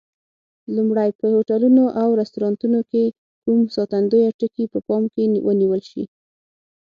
لومړی: په هوټلونو او رستورانتونو کې کوم ساتندویه ټکي په پام کې ونیول شي؟